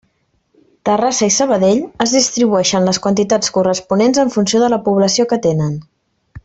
Terrassa i Sabadell es distribueixen les quantitats corresponents en funció de la població que tenen.